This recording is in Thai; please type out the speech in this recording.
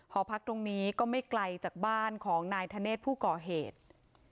หอพักตรงนี้ก็ไม่ไกลจากบ้านของนายธเนธผู้ก่อเหตุ